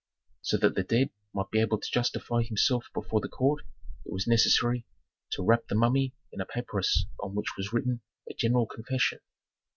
So that the dead might be able to justify himself before the court it was necessary to wrap the mummy in a papyrus on which was written a general confession.